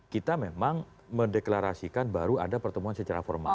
kita memang mendeklarasikan baru ada pertemuan secara formal